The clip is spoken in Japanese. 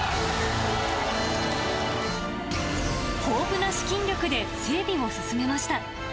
豊富な資金力で整備を進めました。